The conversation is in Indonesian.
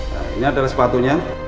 nah ini adalah sepatunya